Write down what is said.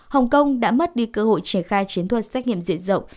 hồng kông đã mất đi cơ hội triển khai chiến thuật xét nghiệm diện rộng